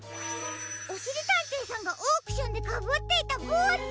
おしりたんていさんがオークションでかぶっていたぼうし！